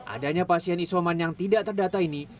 adanya pasien isoman yang tidak terdata ini